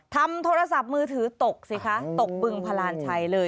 โทรศัพท์มือถือตกสิคะตกบึงพลานชัยเลย